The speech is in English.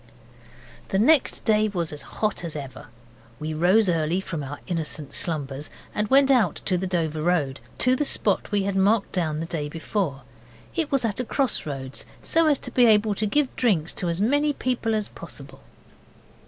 The next day was as hot as ever. We rose early from our innocent slumbers, and went out to the Dover Road to the spot we had marked down the day before. It was at a cross roads, so as to be able to give drinks to as many people as possible.